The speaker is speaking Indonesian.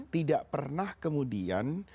tidak pernah kemudian